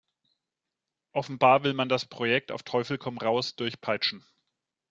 Offenbar will man das Projekt auf Teufel komm raus durchpeitschen.